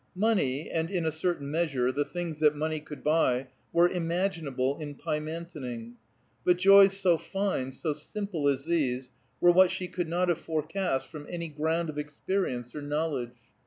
Money, and, in a certain measure, the things that money could buy, were imaginable in Pymantoning; but joys so fine, so simple as these, were what she could not have forecast from any ground of experience or knowledge.